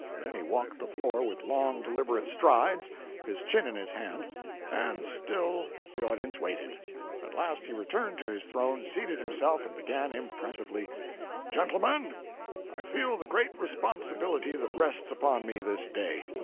Then he walked the floor with long, deliberate strides, his chin in his hand, and still the audience waited. At last he returned to his throne, seated himself, and began impressively: "Gentlemen, I feel the great responsibility that rests upon me this day.